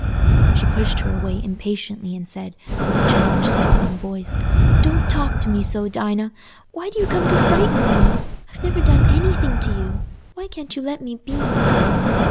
She pushed her away impatiently, and said, with a childish sobbing voice, "Don't talk to me so, Dinah. Why do you come to frighten me? I've never done anything to you. Why can't you let me be?"